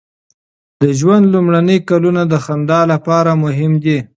د ژوند لومړني کلونه د خندا لپاره مهم دي.